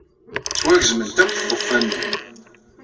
Ttwagezment akk tḍeffa-nni.